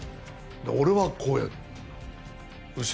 俺はこうやる。